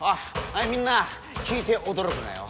はいみんな聞いて驚くなよ。